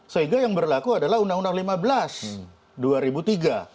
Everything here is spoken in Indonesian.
sehingga yang berlaku adalah undang undang lima belas